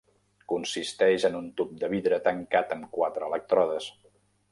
Consisteix en un tub de vidre tancat amb quatre elèctrodes.